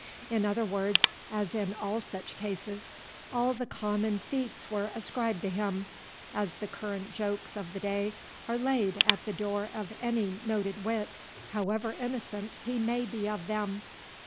In other words, as in all such cases, all the common feats were ascribed to him, as the current jokes of the day are laid at the door of any noted wit, however innocent he may be of them.